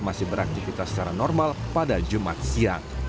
masih beraktivitas secara normal pada jumat siang